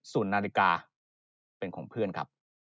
ส่วนนาฬิกาก็เป็นของเพื่อนครับ